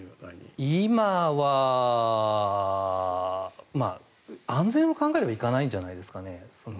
今は、安全を考えれば行かないんじゃないですかね。